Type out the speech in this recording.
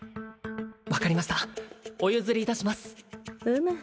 分かりましたお譲りいたしますうむ